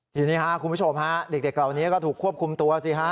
ทีนี้ครับคุณผู้ชมฮะเด็กเหล่านี้ก็ถูกควบคุมตัวสิฮะ